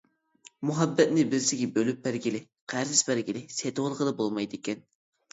مۇھەببەتنى بىرسىگە بۆلۈپ بەرگىلى، قەرز بەرگىلى، سېتىۋالغىلى بولمايدىكەن.